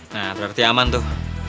nah berarti aman tuh